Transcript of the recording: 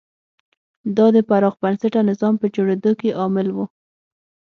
دا د پراخ بنسټه نظام په جوړېدو کې عامل و.